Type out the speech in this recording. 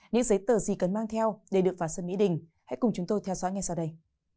những giấy tờ gì cần mang theo để được vào sân mỹ đình hãy cùng chúng tôi theo dõi ngay sau đây